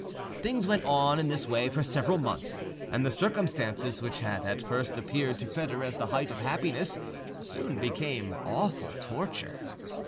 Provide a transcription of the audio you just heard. Things went on in this way for several months, and the circumstances which had at first appeared to Foedor as the height of happiness soon became awful torture.